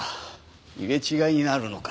入れ違いになるのか。